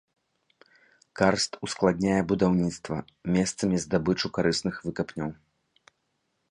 Карст ускладняе будаўніцтва, месцамі здабычу карысных выкапняў.